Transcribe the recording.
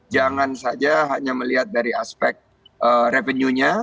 jangan saja hanya melihat dari aspek revenuenya